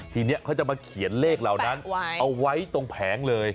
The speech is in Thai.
ทีนี้เขาจะมาเขียนเลขเหล่านั้นเอาไว้ตรงแผงเลย